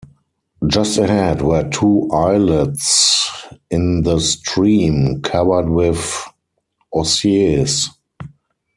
Just ahead were two islets in the stream, covered with osiers.